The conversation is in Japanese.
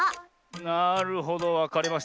なるほどわかりました。